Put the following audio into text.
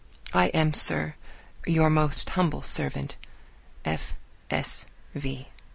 I am, Sir, your most humble servant, F. S. V.